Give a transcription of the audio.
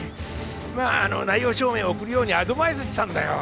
まああの内容証明を送るようにアドバイスしたんだよ